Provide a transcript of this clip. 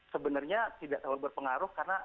sebenarnya tidak terlalu berpengaruh karena